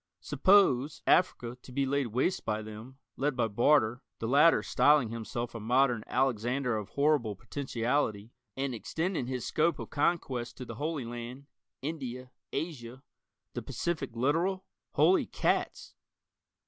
Suppose, Africa, to be laid waste by them, led by Barter, the latter styling himself a modern Alexander of horrible potentiality, and extending his scope of conquest to the Holy Land, India, Asia the Pacific littoral? Holy cats!